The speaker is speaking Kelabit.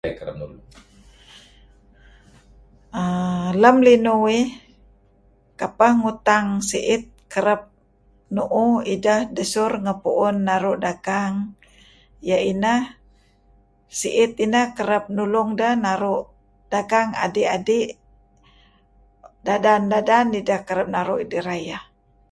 (Spill over voice). uhm Lem linuh uih kapeh ngutang siit kereb nuuh ideh desur ngehpnun naru' dagang iyeh ineh siit ineh kereb nulung deh naru' dagang adi'-adi', dadan-dadan ideh nuk naru' idih rayeh.